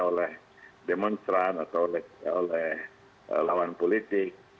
oleh demonstran atau oleh lawan politik